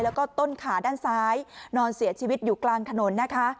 แล้วก็ต้นขาด้านซ้ายนอนเสียชีวิตอยู่กลางถนนนะคะ